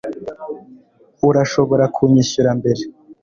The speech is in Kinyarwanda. urashobora kunyishyura mbere